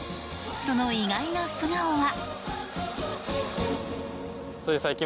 その意外な素顔は。